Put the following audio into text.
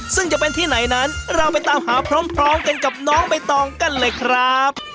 ซึ่งจะเป็นที่ไหนนั้นเราไปตามหาพร้อมกันกับน้องใบตองกันเลยครับ